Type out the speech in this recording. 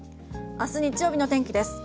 明日日曜日の天気です。